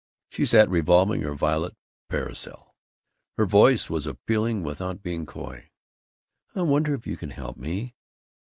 She sat revolving her violet parasol. Her voice was appealing without being coy. "I wonder if you can help me?"